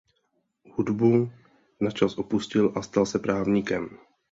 Hudbu načas opustil a stal se právníkem.